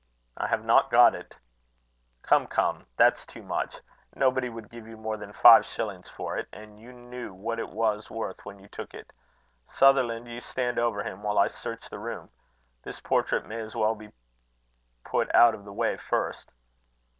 "I have not got it." "Come, come, that's too much. Nobody would give you more than five shillings for it. And you knew what it was worth when you took it. Sutherland, you stand over him while I search the room. This portrait may as well be put out of the way first."